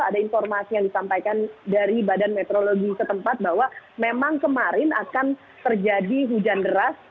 ada informasi yang disampaikan dari badan meteorologi setempat bahwa memang kemarin akan terjadi hujan deras